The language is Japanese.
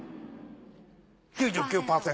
９９％！